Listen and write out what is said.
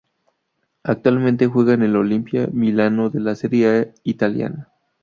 Actualmente juega en el Olimpia Milano de la Serie A italiana.